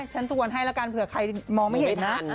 ทวนให้แล้วกันเผื่อใครมองไม่เห็นนะ